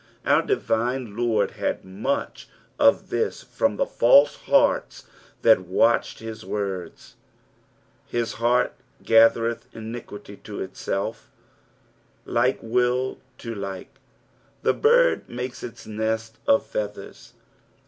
Our divine Lord had much of this from the false hearts that watched his words. " //m heart gathereth iniquity to iUeJf." Like will to like. The bird makes its nest of feathers.